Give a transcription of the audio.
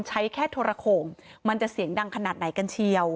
ใช้แค่โทรโข่งมันจะเสียงดังขนาดไหนกันเชียว